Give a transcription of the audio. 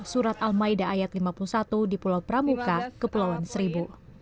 surat al maida ayat lima puluh satu di pulau pramuka kepulauan seribu